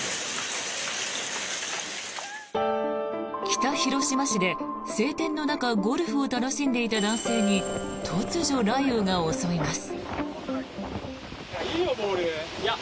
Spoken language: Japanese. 北広島市で晴天の中ゴルフを楽しんでいた男性に突如、雷雨が襲います。